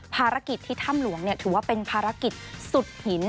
ภารกิจที่ถ้ำหลวงถือว่าเป็นภารกิจสุดหิน